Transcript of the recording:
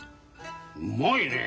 うまいねえ。